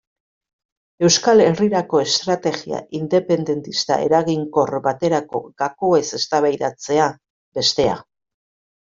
Euskal Herrirako estrategia independentista eraginkor baterako gakoez eztabaidatzea, bestea.